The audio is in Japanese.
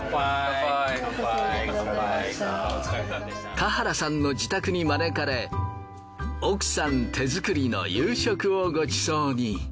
田原さんの自宅に招かれ奥さん手作りの夕食をご馳走に。